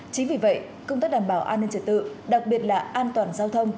chính vì vậy công tác đảm bảo an ninh trật tự đặc biệt là an toàn giao thông